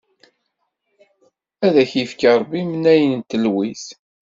Ad d-ifk Ṛebbi imnayen n telwit!